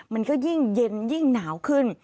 มันก็ยิ่งเย็นยิ่งหนาวขึ้น